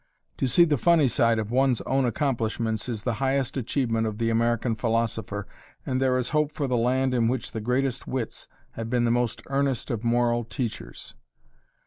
To see the funny side of one's own accomplishments is the highest achievement of the American philosopher and there is hope for the land in which the greatest wits have been the most earnest of moral teachers.